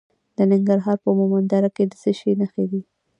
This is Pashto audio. د ننګرهار په مومند دره کې د څه شي نښې دي؟